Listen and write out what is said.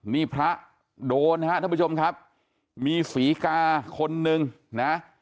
มีพระโดนนะครับท่านผู้ชมครับมีศรีกาคนหนึ่งนะฮะ